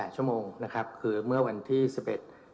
๔๘ชั่วโมงนะครับ